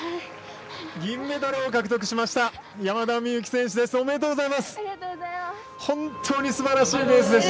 銀メダルを獲得しました山田美幸選手です。